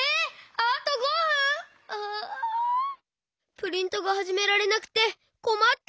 プリントがはじめられなくてこまった！